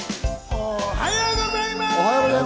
おはようございます！